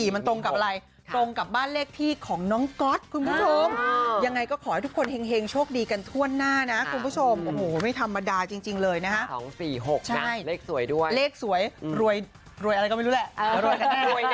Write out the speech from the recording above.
มันตรงกับอะไรตรงกับบ้านเลขที่ของน้องก๊อตคุณผู้ชมยังไงก็ขอให้ทุกคนเห็งโชคดีกันทั่วหน้านะคุณผู้ชมโอ้โหไม่ธรรมดาจริงเลยนะฮะเลขสวยด้วยเลขสวยรวยอะไรก็ไม่รู้แหละ